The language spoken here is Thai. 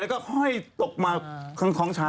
แล้วห้อยตกมาท้องช้าง